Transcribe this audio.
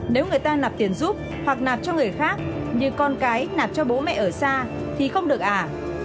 nếu người ta nạp tiền giúp hoặc nạp cho người khác như con cái nạp cho bố mẹ ở xa thì không được à